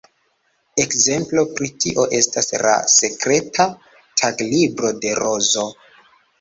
Ekzemplo pri tio estas ""La Sekreta Taglibro de Rozo"".